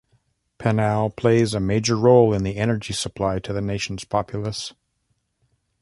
Penal plays a major role in the energy supply to the nation's populace.